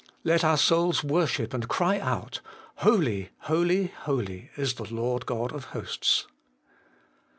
Let our souls worship and cry out, ' Holy, holy, holy is the Lord God of hosts.'